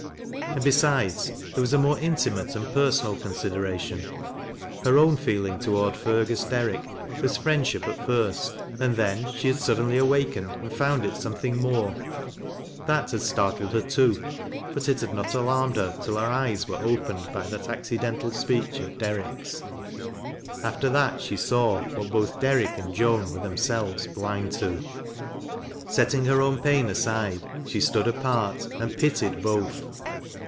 And, besides, there was a more intimate and personal con sideration. Her own feeling toward Fergus Derrick was friendship at first, and then she had suddenly awakened and found it something more. That had startled her, too, but it had not alarmed her till her eyes were opened by that accidental speech of Derrick's. After that, she saw what both Derrick and Joan were themselves blind to. Setting her own pain aside, she stood apart, and pitied both.